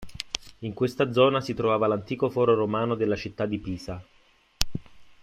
In questa zona si trovava l'antico foro romano della città di Pisa.